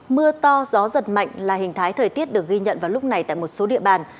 mưa to gió giật mạnh là hình thái thời tiết được ghi nhận vào lúc này tại một số địa bàn